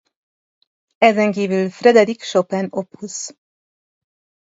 Ezenkívül Frédéric Chopin Op.